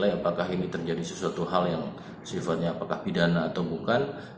apakah ini terjadi sesuatu hal yang sifatnya apakah pidana atau bukan